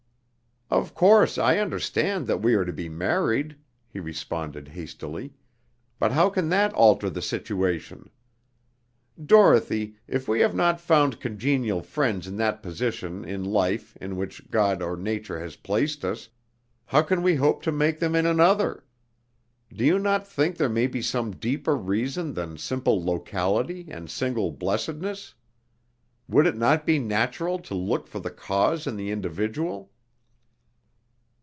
"Of course I understand that we are to be married," he responded hastily, "but how can that alter the situation? Dorothy, if we have not found congenial friends in that position in life in which God or nature has placed us, how can we hope to make them in another? Do you not think there may be some deeper reason than simple locality and single blessedness? Would it not be natural to look for the cause in the individual?"